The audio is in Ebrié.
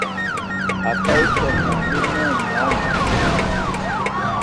Aká ékan hwan lê mɛ́n hɔnmya.